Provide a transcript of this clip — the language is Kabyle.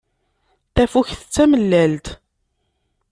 Tafukt d tamellalt.